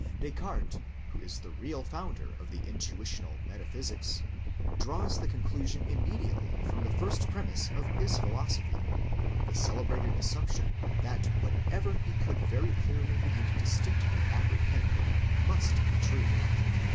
Descartes, who is the real founder of the intuitional metaphysics, draws the conclusion immediately from the first premise of his philosophy, the celebrated assumption that whatever he could very clearly and distinctly apprehend, must be true.